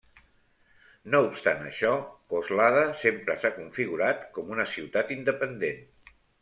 No obstant això, Coslada sempre s'ha configurat com una ciutat independent.